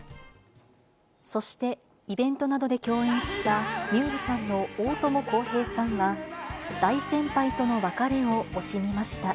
そして、イベントなどで共演したミュージシャンの大友康平さんは、大先輩との別れを惜しみました。